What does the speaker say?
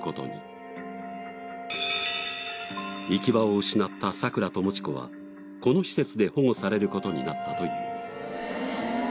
行き場を失った桜ともち子はこの施設で保護される事になったという。